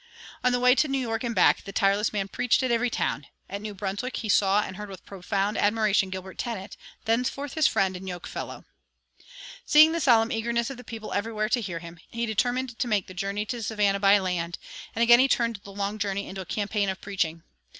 On the way to New York and back, the tireless man preached at every town. At New Brunswick he saw and heard with profound admiration Gilbert Tennent, thenceforth his friend and yokefellow. Seeing the solemn eagerness of the people everywhere to hear him, he determined to make the journey to Savannah by land, and again he turned the long journey into a campaign of preaching.